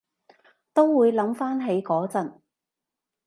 都會諗返起嗰陣